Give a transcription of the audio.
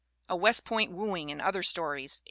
A West Point Wooing and Other Stories, 1899.